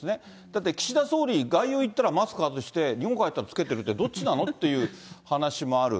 だって岸田総理、外遊行ったらマスク外して、日本帰ったら着けてるって、どっちなのっていう話もある。